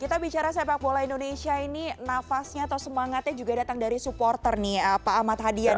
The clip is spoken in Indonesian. kita bicara sepak bola indonesia ini nafasnya atau semangatnya juga datang dari supporter nih pak ahmad hadian